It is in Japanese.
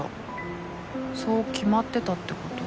［そう決まってたってこと？］